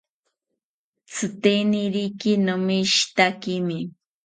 Tziteniriki nomishitakimi